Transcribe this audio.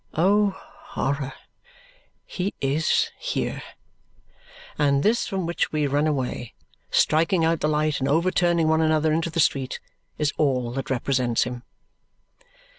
Oh, horror, he IS here! And this from which we run away, striking out the light and overturning one another into the street, is all that represents him.